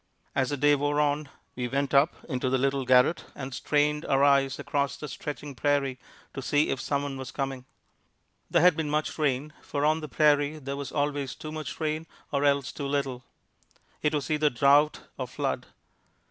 As the day wore on we went up into the little garret and strained our eyes across the stretching prairie to see if some one was coming. There had been much rain, for on the prairie there was always too much rain or else too little. It was either drought or flood.